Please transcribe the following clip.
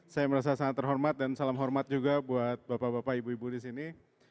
saya merasa sangat terhormat dan salam hormat juga buat bapak bapak ibu ibu di sini